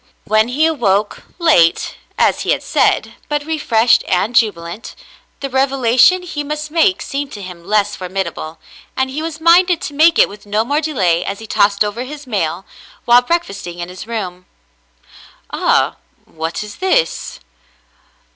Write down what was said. When he awoke, — late, as he had said, but refreshed and jubilant, — the revelation he must make seemed to him less formidable, and he was minded to make it with no more delay as he tossed over his mail, while breakfasting in his room. "Ah, what is this